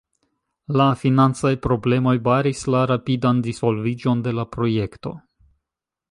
La financaj problemoj baris la rapidan disvolviĝon de la projekto.